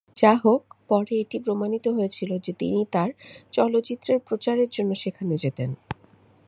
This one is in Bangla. যাহোক, পরে এটি প্রমাণিত হয়েছিল যে তিনি তাঁর চলচ্চিত্রের প্রচারের জন্য সেখানে যেতেন।